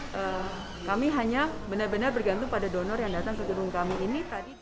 karena kami hanya benar benar bergantung pada donor yang datang ke gedung kami ini